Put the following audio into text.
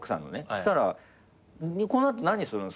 そしたら「この後何するんですか？」って言われて。